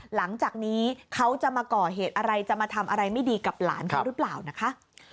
หลังจากนี้เขาจะมาก่อเหตุอะไรจะมาทำอะไรไม่ดีกับหลานเขาหรือเปล่านะคะ